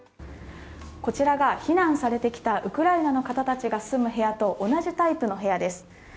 こちらが避難されてきたウクライナの方たちが住む部屋と同じタイプの部屋です。